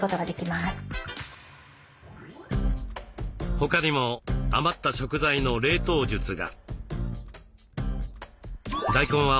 他にも余った食材の冷凍術が。